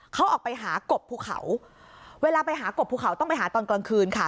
เขาออกไปหากบภูเขาเวลาไปหากบภูเขาต้องไปหาตอนกลางคืนค่ะ